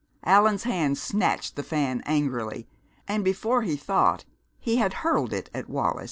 Allan's hand snatched the fan angrily and before he thought he had hurled it at Wallis!